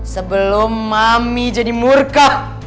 sebelum mami jadi murka